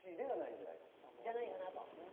じゃないかなと。